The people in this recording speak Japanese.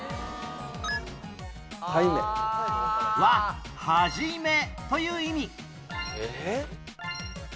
は「はじめ」という意味